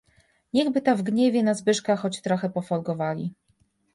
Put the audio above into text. "Niechby ta w gniewie na Zbyszka choć trochę pofolgowali."